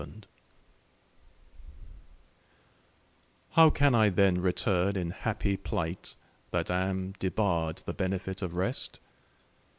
XXVIII How can I then return in happy plight, That am debarre'd the benefit of rest?